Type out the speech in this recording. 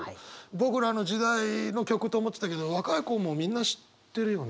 僕らの時代の曲と思ってたけど若い子もみんな知ってるよね？